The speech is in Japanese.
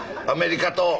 アメリカと。